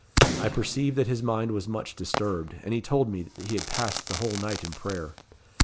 I perceived that his mind was much disturbed, and he told me he had passed the whole night in prayer.